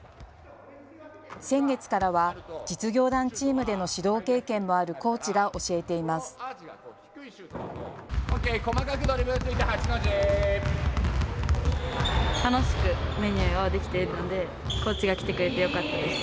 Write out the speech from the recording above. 先月からは実業団チームでの指導経験もあるコーチが教えています。